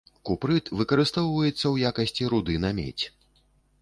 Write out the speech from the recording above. Купрыт выкарыстоўваецца ў якасці руды на медзь.